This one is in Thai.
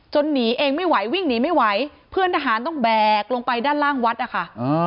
หนีเองไม่ไหววิ่งหนีไม่ไหวเพื่อนทหารต้องแบกลงไปด้านล่างวัดนะคะ